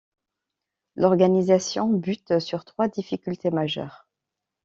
L'organisation bute sur trois difficultés majeures.